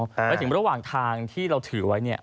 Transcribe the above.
แล้วถึงระหว่างทางที่เราถือไว้เนี่ย